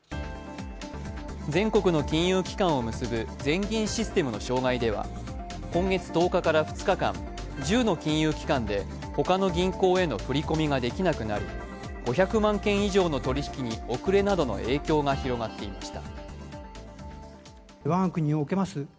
全国の金融機関を結ぶ全銀システムの障害では今月１０日から２日間、１０の金融機関でほかの銀行への振り込みができなくなり、５００万件以上の取引に遅れなどの影響が広がっていました。